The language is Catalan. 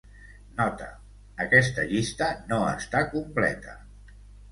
Nota: aquesta llista no està completa.